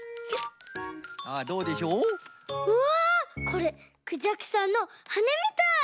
これクジャクさんのはねみたい！